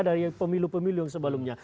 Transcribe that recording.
dari pemilu pemilu yang sebelumnya